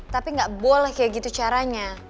tapi nggak boleh kayak gitu caranya